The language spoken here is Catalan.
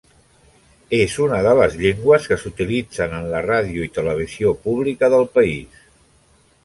És una de les llengües que s'utilitzen en la ràdio i televisió pública del país.